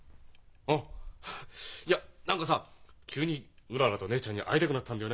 あっいや何かさ急にうららと姉ちゃんに会いたくなったんだよね。